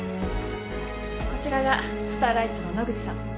こちらがスターライツの野口さん。